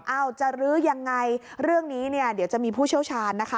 จะรื้อยังไงเรื่องนี้เนี่ยเดี๋ยวจะมีผู้เชี่ยวชาญนะคะ